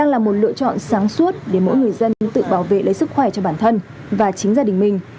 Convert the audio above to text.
là một lựa chọn sáng suốt để mỗi người dân tự bảo vệ lấy sức khỏe cho bản thân và chính gia đình mình